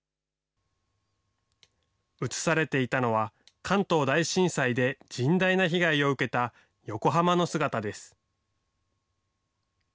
写されていたのは、関東大震災で甚大な被害を受けた横浜の姿です。